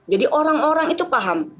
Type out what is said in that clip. jadi orang orang itu paham